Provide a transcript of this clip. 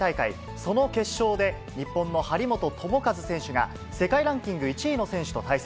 その決勝で、日本の張本智和選手が世界ランキング１位の選手と対戦。